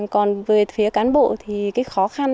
còn về phía cán bộ thì cái khó khăn